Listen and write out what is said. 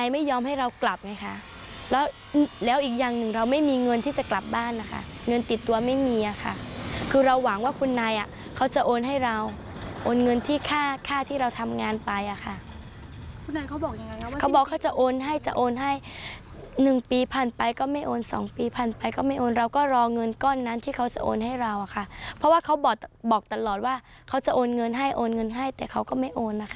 เพราะว่าเขาบอกตลอดว่าเขาจะโอนเงินให้โอนเงินให้แต่เขาก็ไม่โอนนะคะ